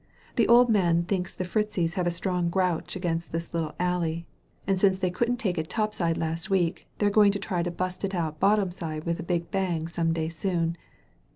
The old man thinks the Fritzies have a strong grouch against this little alley, and since they couldn't take it top side last week they're going to try to bust it out bottom side with a big bang some day soon.